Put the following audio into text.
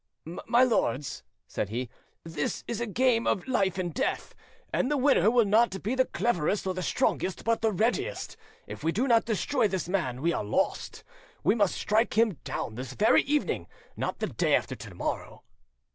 "My lords," said he, "this is a game of life and death, and the winner will not be the cleverest or the strongest, but the readiest. If we do not destroy this man, we are lost. We must strike him down, this very evening, not the day after to morrow."